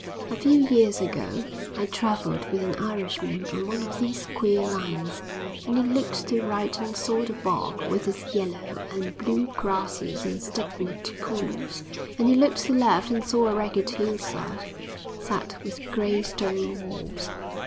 A few years ago I traveled with an Irishman on one of these queer lines, and he looked to right and saw the bog with its yellow and blue grasses and stagnant pools, and he looked to left and saw a ragged hillside, set with gray stone walls.